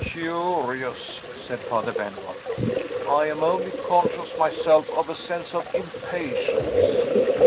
"Curious," said Father Benwell. "I am only conscious, myself, of a sense of impatience.